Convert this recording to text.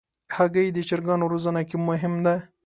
هګۍ د چرګانو روزنه کې مهم ده.